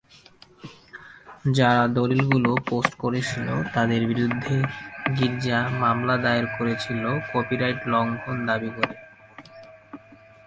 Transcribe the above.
যারা দলিলগুলো পোস্ট করেছিল, তাদের বিরুদ্ধে গির্জা মামলা দায়ের করেছিল, কপিরাইট লঙ্ঘন দাবি করে।